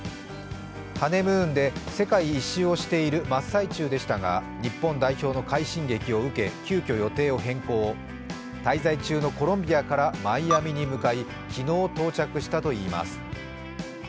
ハネムーンで世界一周をしている真っ最中でしたが、日本代表の快進撃を受け急きょ、予定を変更滞在中のコロンビアからマイアミに向かい、昨日到着したといいます。